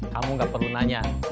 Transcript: kamu gak perlu nanya